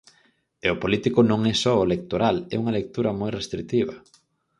E o político non é só o electoral, é unha lectura moi restritiva.